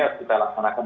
harus kita laksanakan